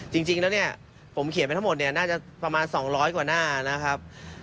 จริงแล้วเนี่ยผมเขียนไปทั้งหมดเนี่ยน่าจะประมาณ๒๐๐กว่าหน้านะครับ